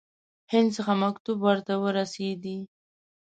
هند څخه مکتوب ورته ورسېدی.